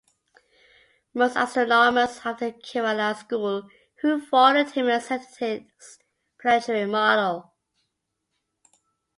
Most astronomers of the Kerala school who followed him accepted this planetary model.